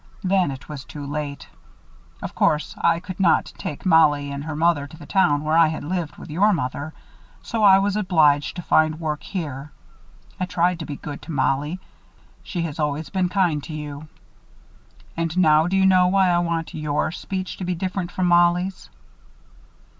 Then it was too late. Of course I could not take Mollie and her mother to the town where I had lived with your mother; so I was obliged to find work here. I tried to be good to Mollie. She has always been kind to you. And now do you know why I want your speech to be different from Mollie's?"